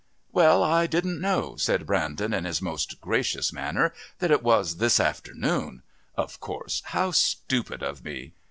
"Well, I didn't know," said Brandon in his most gracious manner, "that it was this afternoon.... Of course, how stupid of me!"